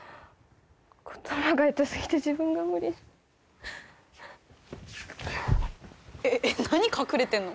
言葉がヘタすぎて自分が無理えっ何隠れてんの？